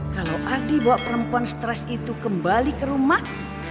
kalau adik bawa perempuan stres itu kembali ke rumah